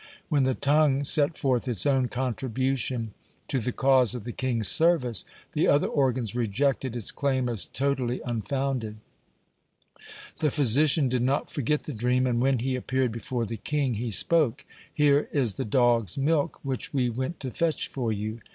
When the tongue set forth its own contribution to the cause of the king's service, the other organs rejected its claim as totally unfounded. The physician did not forget the dream, and when he appeared before the king, he spoke: "Here is the dog's milk which we went to fetch for you."